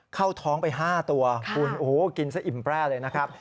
เข้าท้องไป๕ตัวพูดอึโฮกินสิอิ่มแปร่เลยนะครับ